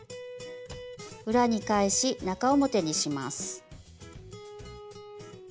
裏に返し中表にします。